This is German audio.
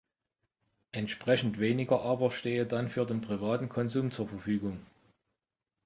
Entsprechend weniger aber stehe dann für den privaten Konsum zur Verfügung.